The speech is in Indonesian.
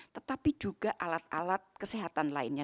tetapi juga alat alat kesehatan lainnya